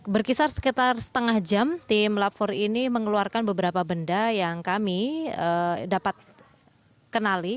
berkisar sekitar setengah jam tim lapor ini mengeluarkan beberapa benda yang kami dapat kenali